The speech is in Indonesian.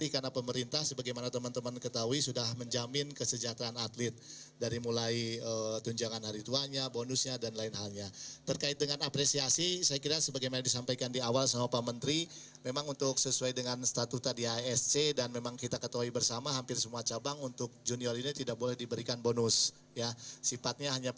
ini adalah peroleh indonesia